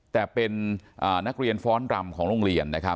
แต่เป็นนักเรียนฟ้อนรำของโรงเรียนนะครับ